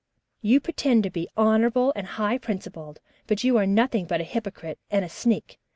You pretend to be honorable and high principled, but you are nothing but a hypocrite and a sneak.